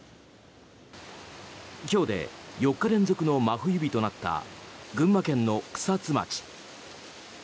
今日で４日連続の真冬日となった群馬県の草津町。